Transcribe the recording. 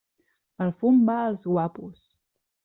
El fum va als guapos.